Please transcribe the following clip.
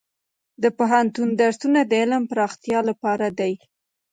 د پوهنتون درسونه د علم پراختیا لپاره دي.